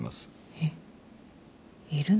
えっいるの？